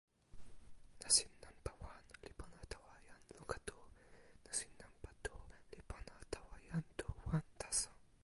nasin nanpa wan li pona tawa jan luka tu. nasin nanpa tu li pona tawa jan tu wan taso.